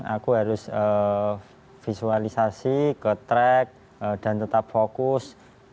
aku harus visualisasi ke track dan tetap fokus